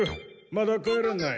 まだ帰らない。